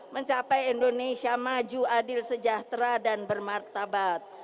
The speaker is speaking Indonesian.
mencapai indonesia maju adil sejahtera dan bermartabat